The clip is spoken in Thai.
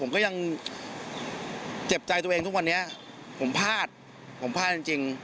ผมก็ยังเจ็บใจตัวเองทุกวันนี้ผมพลาดผมพลาดจริง